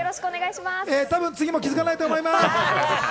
多分、次も気づかないと思います。